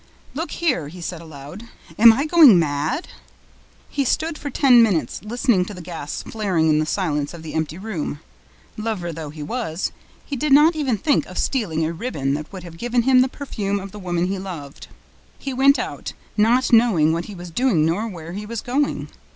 "Look here!" he said, aloud. "Am I going mad?" He stood for ten minutes listening to the gas flaring in the silence of the empty room; lover though he was, he did not even think of stealing a ribbon that would have given him the perfume of the woman he loved. He went out, not knowing what he was doing nor where he was going.